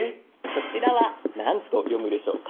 こちらは何と読むでしょうか？